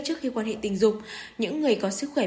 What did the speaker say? trước khi quan hệ tình dục những người có sức khỏe